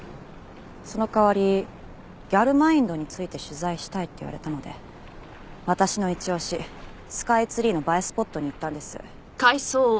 その代わりギャルマインドについて取材したいって言われたので私の一押しスカイツリーの映えスポットに行ったんです。